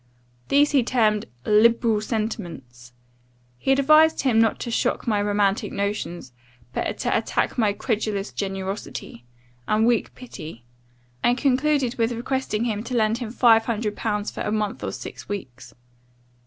These he termed liberal sentiments. He advised him not to shock my romantic notions, but to attack my credulous generosity, and weak pity; and concluded with requesting him to lend him five hundred pounds for a month or six weeks.